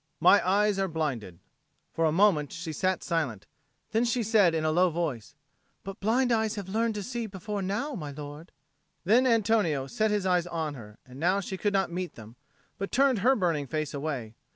"My eyes are blinded." For a moment she sat silent; then she said in a low voice, "But blind eyes have learned to see before now, my lord." Then Antonio set his eyes on her; and now she could not meet them, but turned her burning face away.